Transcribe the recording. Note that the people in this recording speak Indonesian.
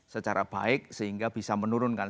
secara baik sehingga bisa menurunkan